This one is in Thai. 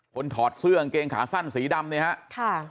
คนถอดเสื้ออังเกงขาสั้นสีดำนะฮะ